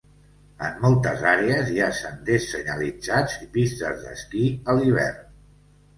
En moltes àrees hi ha senders senyalitzats i pistes d'esquí a l'hivern.